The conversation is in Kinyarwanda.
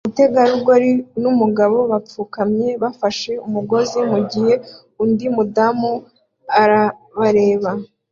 Umutegarugori numugabo bapfukamye bafashe umugozi mugihe undi mudamu arabareba